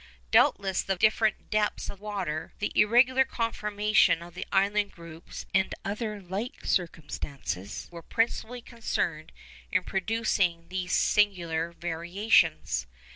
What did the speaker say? Doubtless the different depths of water, the irregular conformation of the island groups, and other like circumstances, were principally concerned in producing these singular variations.